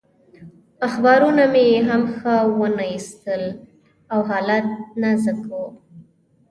اخبارونه مې هم ښه ونه ایسېدل او حالت نازک و.